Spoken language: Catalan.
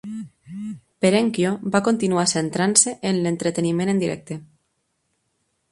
Perenchio va continuar centrant-se en l'entreteniment en directe.